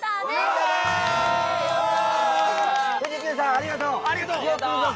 ありがとう！